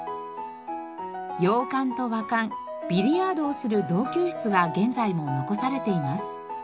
洋館と和館ビリヤードをする撞球室が現在も残されています。